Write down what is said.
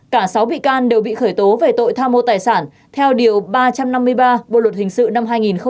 cả sáu bị can đều bị khởi tố về tội tham mô tài sản theo điều ba trăm năm mươi ba bộ luật hình sự năm hai nghìn một mươi năm